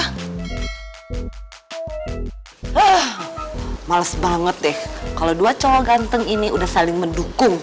hah males banget deh kalau dua cowok ganteng ini udah saling mendukung